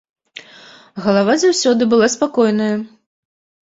Галава заўсёды была спакойная.